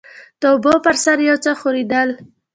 د اوبو پر سر يو څه ښورېدل.